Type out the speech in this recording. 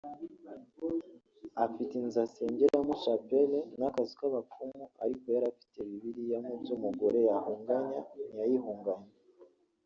afite inzu asengeramo ‘Chapelle’ n’akazu k’abapfumu ariko yari afite Bibiliya mu byo umugore yahunganya ntiyayihunganye